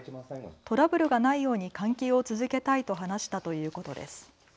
トラブルがないように関係を続けたいと話したということです。